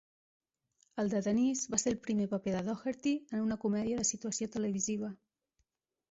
El de Denise va ser el primer paper de Doherty en una comèdia de situació televisiva.